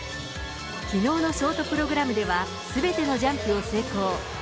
きのうのショートプログラムでは、すべてのジャンプを成功。